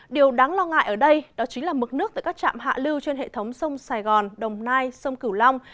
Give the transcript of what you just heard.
điều đáng lo ngại ở đây đó chính là mực nước tại các trạm hạ lưu trên hệ thống sông sài gòn đồng nai sông cửu long